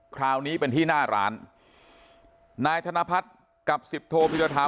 คราวนี้เป็นที่หน้าร้านนายธนพัฒน์กับสิบโทพิรทา